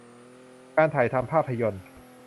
การถ่ายทำภาพยนตร์